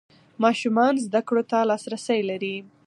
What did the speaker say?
ماشومان زده کړو ته لاسرسی لري.